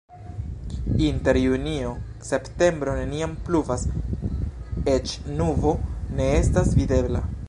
Inter junio-septembro neniam pluvas, eĉ nubo ne estas videbla.